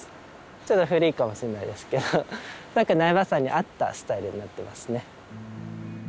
ちょっと古いかもしれないですけど何か苗場山に合ったスタイルになってますね。